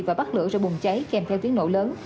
và bắt lửa ra bùng cháy kèm theo tiếng nổ lớn